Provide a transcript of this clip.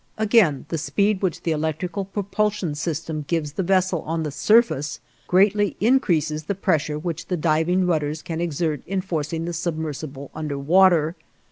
Again, the speed which the electrical propulsion system gives the vessel on the surface greatly increases the pressure which the diving rudders can exert in forcing the submersible under water.